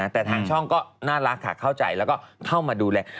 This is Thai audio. แต่ทางช่องก็น่ารักค่ะเข้าใจแล้วก็เข้ามาดูแล